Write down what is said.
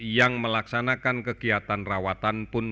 yang melaksanakan kegiatan rawatan pun